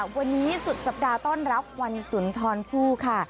วันนี้สุดสัปดาห์ต้อนรับวันสุนทรผู้ค่ะ